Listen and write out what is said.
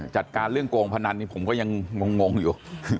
จัดการเรื่องโกงพนันนี่ผมก็ยังงงอยู่